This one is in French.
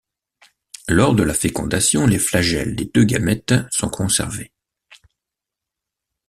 Lors de la fécondation, les flagelles des deux gamètes sont conservés.